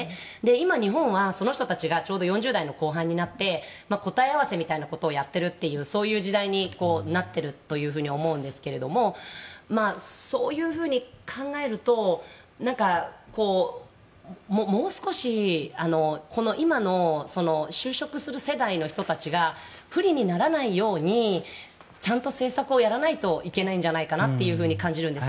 今、日本はその人たちがちょうど４０代の後半になって答え合わせみたいなことをやってるそういう時代になってると思うんですけれどもそういうふうに考えるともう少し、この今の就職する世代の人たちが不利にならないようにちゃんと政策をやらないといけないんじゃないかなと感じるんです。